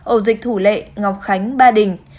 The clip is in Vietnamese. ổ dịch thủ lệ ngọc khánh ba đình